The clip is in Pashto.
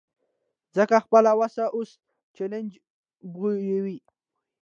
ځکه خپله وسه اوس چلنج بویه.